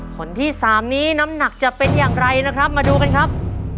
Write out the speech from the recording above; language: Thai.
ผลที่๓นี้น้ำหนักจะเป็นอย่างไรนะครับมาดูกันครับ